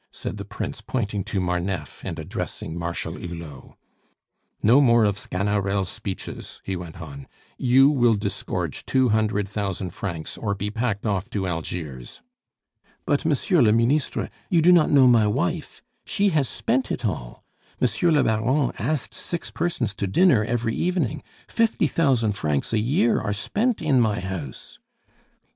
said the Prince, pointing to Marneffe and addressing Marshal Hulot. "No more of Sganarelle speeches," he went on; "you will disgorge two hundred thousand francs, or be packed off to Algiers." "But, Monsieur le Ministre, you do not know my wife. She has spent it all. Monsieur le Baron asked six persons to dinner every evening. Fifty thousand francs a year are spent in my house."